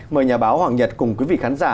mời nhà báo hoàng nhật cùng quý vị khán giả